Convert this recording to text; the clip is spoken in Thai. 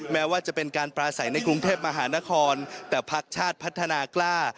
แม้ว่าจะเป็นการปลาใสในกรุงเทพมหานครแต่พักชาติพัฒนากล้า